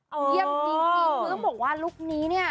เยี่ยมจริงคือต้องบอกว่าลุคนี้เนี่ย